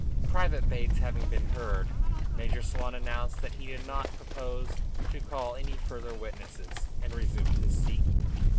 Private Bates having been heard, Major Swan announced that he did not propose to call any further witnesses, and resumed his seat.